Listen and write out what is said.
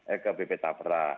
eh ke bp tapra